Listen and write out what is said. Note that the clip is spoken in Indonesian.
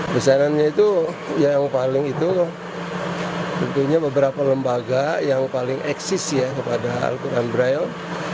besarannya itu yang paling itu tentunya beberapa lembaga yang paling eksis ya kepada al quran braille